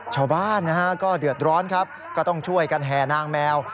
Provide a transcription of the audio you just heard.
ชาวบ้านนะฮะก็เดือดร้อนครับก็ต้องช่วยกันแห่นางแมว